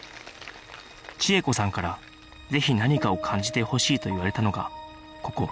千枝子さんからぜひ何かを感じてほしいと言われたのがここ